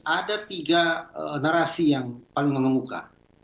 ada tiga narasi yang paling mengemuka